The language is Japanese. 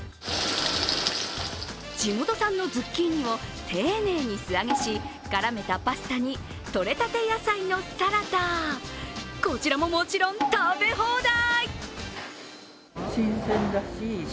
地元産のズッキーニを丁寧に素揚げし、絡めたパスタにとれたて野菜のサラダ、こちらももちろん食べ放題。